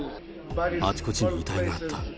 あちこちに遺体があった。